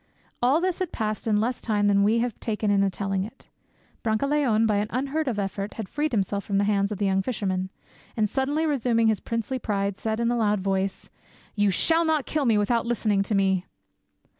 All! this had passed in less time than we have taken in telling it. Brancaleone by an unheard of effort had freed himself from the hands of the young fisherman, and suddenly resuming his princely pride, said in a loud voice, "You shall not kill me without listening to me."